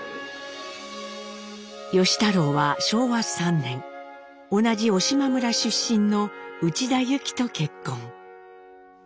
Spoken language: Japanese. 芳太郎は昭和３年同じ小島村出身の内田ユキと結婚。